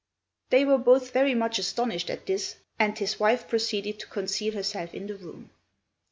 They were both very much astonished at this, and his wife proceeded to conceal herself in the room.